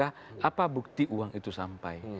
apa bukti uang itu sampai